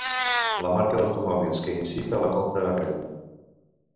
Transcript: La marca d'automòbils que incita a la compra a crèdit.